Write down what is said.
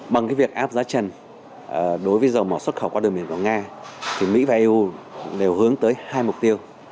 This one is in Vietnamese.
bằng cái việc áp giá trần đối với dầu mỏ xuất khẩu qua đường biển của nga thì mỹ và eu đều hướng tới hai mục tiêu